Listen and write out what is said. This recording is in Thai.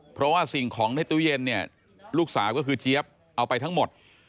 เพราะว่าสิ่งของในตู้เย็นเนี่ยลูกสาวก็คือเจี๊ยบเอาไปทั้งหมด